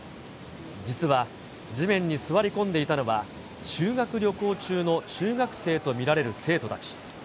実は、地面に座り込んでいたのは、修学旅行中の中学生と見られる生徒たち。